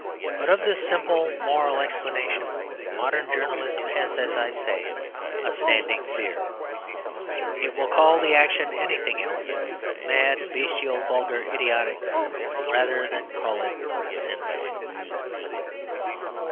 But of this simple moral explanation modern journalism has, as I say, a standing fear. It will call the action anything else mad, bestial, vulgar, idiotic, rather than call it sinful.